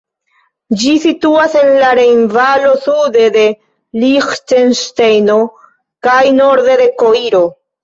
Ĝi situas en la Rejnvalo sude de Liĥtenŝtejno kaj norde de Koiro.